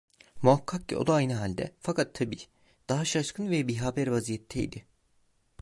Muhakkak ki o da aynı halde, fakat tabii daha şaşkın ve bihaber vaziyette idi.